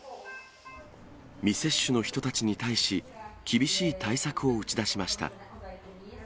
未接種の人たちに対し、厳しい対策を打ち出しました。